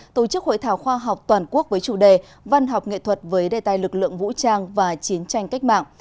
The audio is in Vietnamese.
tổ chức hội thảo khoa học toàn quốc với chủ đề văn học nghệ thuật với đề tài lực lượng vũ trang và chiến tranh cách mạng